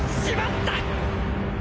しまった！！